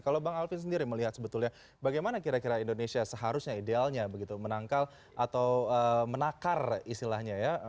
kalau bang alvin sendiri melihat sebetulnya bagaimana kira kira indonesia seharusnya idealnya begitu menangkal atau menakar istilahnya ya